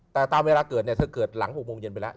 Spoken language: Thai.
แต่ตามเวลาเกิดเนี่ยถ้าเกิดหลัง๖โมงเย็นไปแล้ว